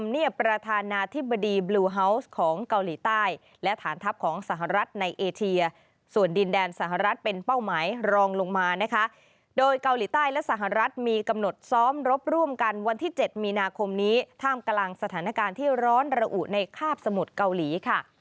โดยระบุว่าเกาหลีใต้ก็กำหนดซ้อมรอบร่วมกันวันที่๗มีนาคมนี้ถ้ามกำลังสถานการณ์ที่ร้อนระอุในข้าบสมุดเกาหลี